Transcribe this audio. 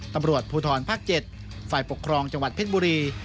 ตำรวจภูทรภาค๗ฝ่ายปกครองจังหวัดเพชรบุรี